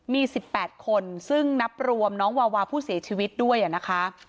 มี๑๘คนซึ่งนับรวมน้องวาวาผู้เสียชีวิตด้วยนะคะ